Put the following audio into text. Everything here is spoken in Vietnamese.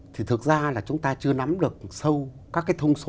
thì thực ra là chúng ta chưa nắm được sâu các cái thông số